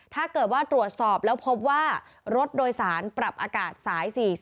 ถ้าเกิดว่าตรวจสอบแล้วพบว่ารถโดยสารปรับอากาศสาย๔๔